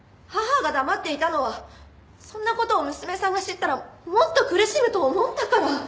母が黙っていたのはそんな事を娘さんが知ったらもっと苦しむと思ったから！